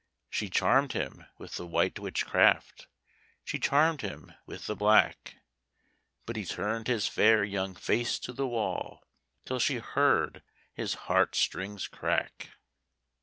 She charmed him with the white witchcraft, She charmed him with the black, But he turned his fair young face to the wall, Till she heard his heart strings crack.